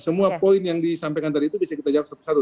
semua poin yang disampaikan tadi itu bisa kita jawab satu satu